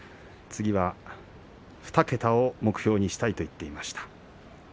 次は２桁を目標にしたいと言っていました。